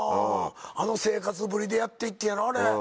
あの生活ぶりでやって行ってんやろあれ。